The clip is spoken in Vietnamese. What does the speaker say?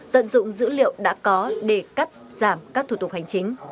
tận dụng dữ liệu đã có để cắt giảm các thủ tục hành chính